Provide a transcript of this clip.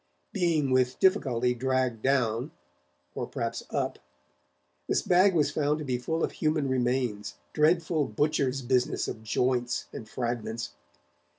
Being with difficulty dragged down or perhaps up this bag was found to be full of human remains, dreadful butcher's business of joints and fragments.